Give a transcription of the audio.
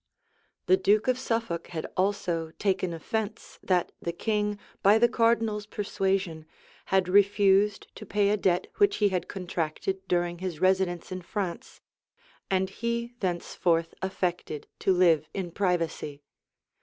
The duke of Suffolk had also taken offence, that the king, by the cardinal's persuasion, had refused to pay a debt which he had contracted during his residence in France; and he thenceforth affected to live in privacy.